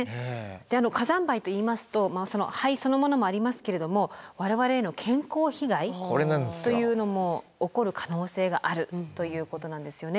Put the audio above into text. で火山灰といいますと灰そのものもありますけれども我々への健康被害というのも起こる可能性があるということなんですよね。